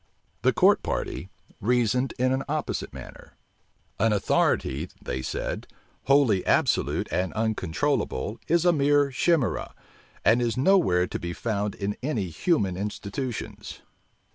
The court party reasoned in an opposite manner. An authority, they said, wholly absolute and uncontrollable is a mere chimera, and is nowhere to be found in any human institutions.